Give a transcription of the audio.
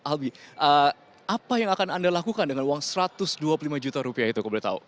alby apa yang akan anda lakukan dengan uang satu ratus dua puluh lima juta rupiah itu